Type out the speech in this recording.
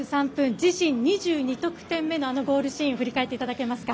自身２２得点目のあのゴールシーン振り返っていただけますか。